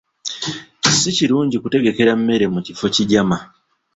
Si kirungi kutegekera mmere mu kifo kigyama.